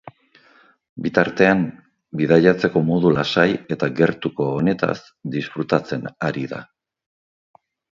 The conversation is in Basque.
Bitartean, bidaitazeko modu lasai eta gertuko honetaz disfrutatzen ari da.